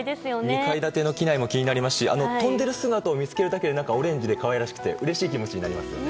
２階建ての機内も気になりますし飛んでいる姿を見つけるだけで可愛らしくてうれしい気持ちになりますね。